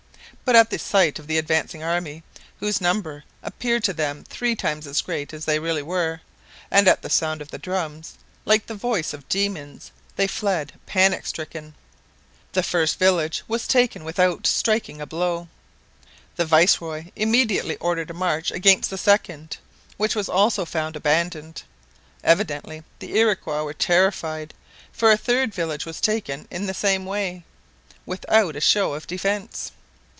But, at the sight of the advancing army, whose numbers appeared to them three times as great as they really were, and at the sound of the drums, like the voice of demons, they fled panic stricken. The first village was taken without striking a blow. The viceroy immediately ordered a march against the second, which was also found abandoned. Evidently the Iroquois were terrified, for a third village was taken in the same way, without a show of defence.